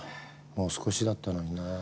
もう少しだったのにな。